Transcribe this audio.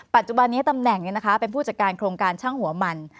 ปัจจุบานี้ตำแหน่งเนี่ยนะคะเป็นผู้จัดการโครงการช่างหัวหมั่น